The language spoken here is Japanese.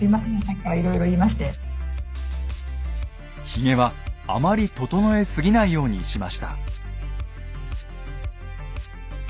ひげはあまり整えすぎないようにしました。